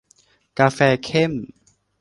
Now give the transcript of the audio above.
กาแฟเข้ม